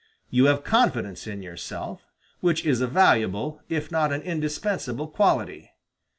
You have confidence in yourself, which is a valuable, if not an indispensable quality.